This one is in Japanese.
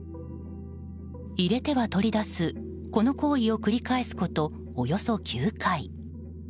入れては取り出す、この行為を繰り返すことおよそ９回。